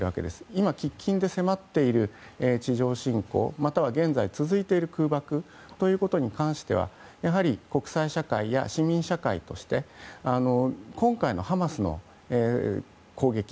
今、喫緊で迫っている地上侵攻やまたは現在、続いている空爆ということに関してはやはり国際社会や市民社会として今回のハマスの攻撃。